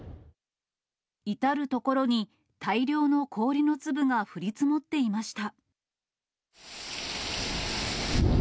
至る所に大量の氷の粒が降り積もっていました。